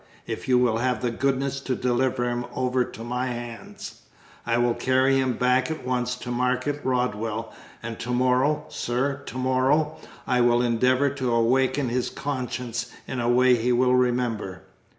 If you will have the goodness to deliver him over to my hands, I will carry him back at once to Market Rodwell, and to morrow, sir, to morrow, I will endeavour to awaken his conscience in a way he will remember!"